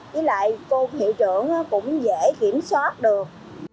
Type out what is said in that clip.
với lại cô hiệu trưởng cũng dễ kiểm soát được